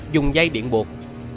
dùng dây điện buộc